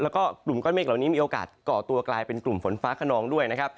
แล้วก็กลุ่มก้อนเมฆเหล่านี้มีโอกาสก่อตัวกลายเป็นกลุ่มฝนฟ้าขนองด้วยนะครับ